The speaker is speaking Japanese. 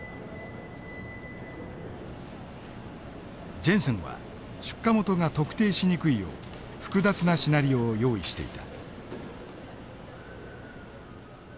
ジェンセンは出火元が特定しにくいよう複雑なシナリオを用意していた。